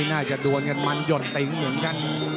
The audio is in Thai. น่าจะดวนกับมันยดติ๊งเหมือนกันครับ